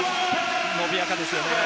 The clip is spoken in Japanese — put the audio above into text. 伸びやかですよね。